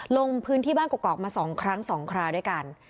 ลงพื้นที่บ้านกรอกมา๒ครั้ง๒คราวด้วยกัน